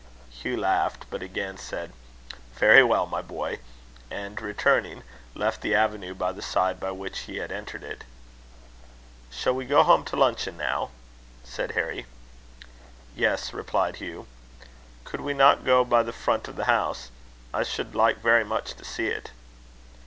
Hugh laughed; but again said, "Very well, my boy;" and, returning, left the avenue by the side by which he had entered it. "Shall we go home to luncheon now?" said Harry. "Yes," replied Hugh. "Could we not go by the front of the house? I should like very much to see it."